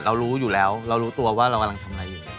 เรารู้อยู่แล้วเรารู้ตัวว่าเรากำลังทำอะไรอยู่